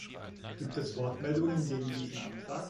Gibt es Wortmeldungen gegen diesen Antrag?